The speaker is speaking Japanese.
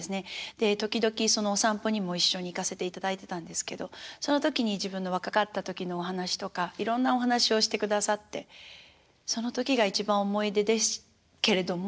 で時々そのお散歩にも一緒に行かせていただいてたんですけどその時に自分の若かった時のお話とかいろんなお話をしてくださってその時が一番思い出ですけれども。